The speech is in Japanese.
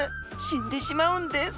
死んでしまうんです。